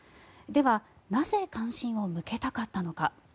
では、なぜ関心を向けたかったのか。